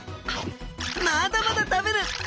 まだまだ食べる！